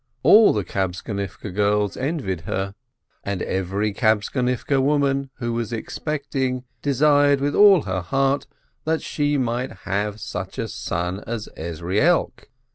All the Kabtzonivke girls envied her, and every Kabtzonirke woman who was "expecting" desired with all her heart that she might have such a son as Ezrielk.